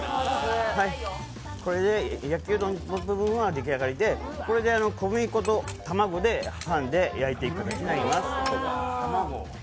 これで、焼きうどんの部分はできあがりで、これで小麦粉と卵で挟んで焼いていきます。